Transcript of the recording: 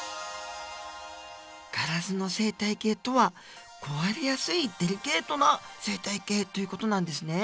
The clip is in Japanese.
ガラスの生態系とは壊れやすいデリケートな生態系という事なんですね。